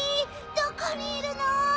どこにいるの？